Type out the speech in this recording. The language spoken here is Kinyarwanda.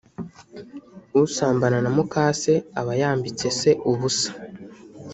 usambana na muka se aba yambitse se ubusa